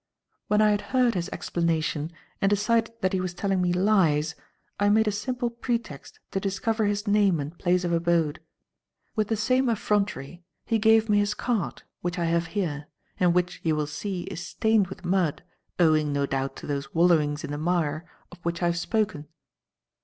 "When I had heard his explanation, and decided that he was telling me lies, I made a simple pretext to discover his name and place of abode. With the same effrontery, he gave me his card, which I have here, and which, you will see, is stained with mud, owing, no doubt, to those wallowings in the mire of which I have spoken."